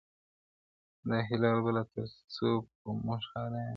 دا حلال به لا تر څو پر موږ حرام وي,